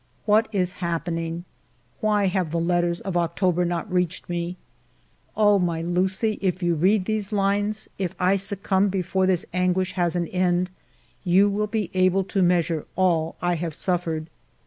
What is happening? Why have the letters of October not reached me? Oh, my Lucie, if you read these lines, if I succumb before this anguish has an end, you will be able to measure all I have suffered